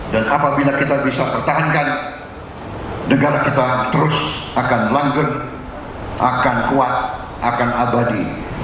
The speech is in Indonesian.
dan apabila kita bisa pertahankan negara kita terus akan langgeng akan kuat akan abadi